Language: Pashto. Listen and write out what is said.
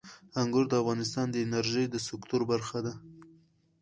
انګور د افغانستان د انرژۍ د سکتور برخه ده.